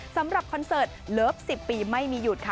สำหรับคอนเสิร์ตเลิฟสิบปีไม่มีหยุดค่ะ